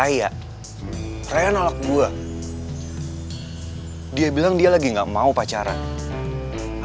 alasannya apa dia bilang dia lagi nggak mau pacaran alasannya apa dia bilang dia lagi nggak mau pacaran alasannya apa